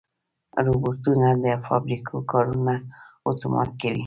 روبوټونه د فابریکو کارونه اتومات کوي.